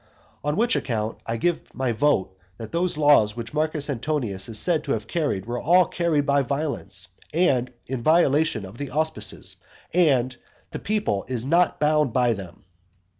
On which account I give my vote that those laws which Marcus Antonius is said to have carried were all carried by violence, and in violation of the auspices; and that the people is not bound by them.